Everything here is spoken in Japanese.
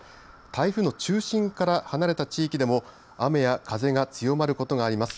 台風の中心から離れた地域でも雨や風が強まることがあります。